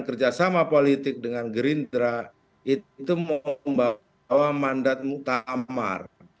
kerjasama politik dengan gerindra itu membawa mandat muktamar